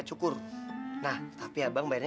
aku kayak peduli